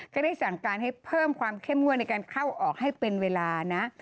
ก็ได้สั่งการให้เพิ่มความเข้มงวดในการเข้าออกให้เป็นเวลานะ